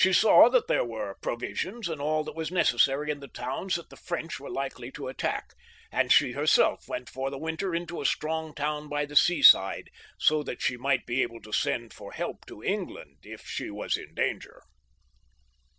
She saw that there were provisions and all that was necessary in the towns that the French were likely to attack, and she her seK went for the winter into a strong town by the seaside, so that she might be able to send for help to England if she were in danger.